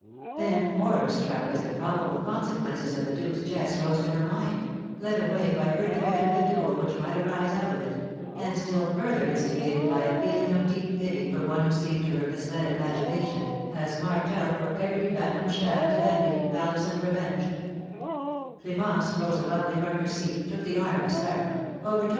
Then, horror struck as the probable consequences of the duke's jest rose to her mind, led away by her dread of the duel which might arise out of it, and still further instigated by a feeling of deep pity for one who seemed to her misled imagination as marked out for every venomed shaft of envy, malice, and revenge, Clémence rose abruptly from her seat, took the arm of Sarah, overtook M.